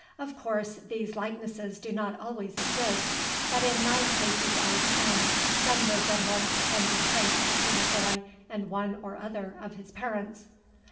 Of course these likenesses do not always exist, but in nine cases out of ten some resemblance can be traced between a boy and one or other of his parents."